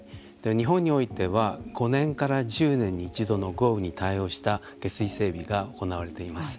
日本においては５年から１０年に１度の豪雨に対応した下水整備が行われています。